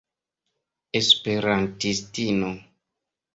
esperantistino